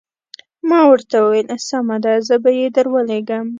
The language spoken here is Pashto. ما ورته وویل سمه ده زه به یې درولېږم.